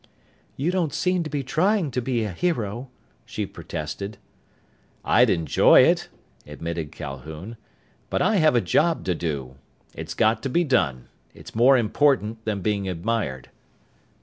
"You don't seem to be trying to be a hero!" she protested. "I'd enjoy it," admitted Calhoun, "but I have a job to do. It's got to be done. It's more important than being admired."